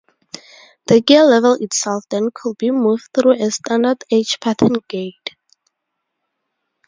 The gear lever itself then could be moved through a standard 'H pattern' gate.